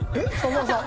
沢村さん。